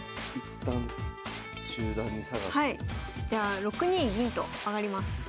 じゃあ６二銀と上がります。